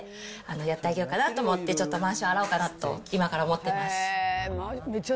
やってあげようかなと思って、ちょっとまわしを洗おうかなと、今から思ってます。